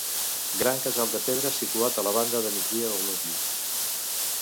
Gran casal de pedra situat a la banda de migdia del nucli.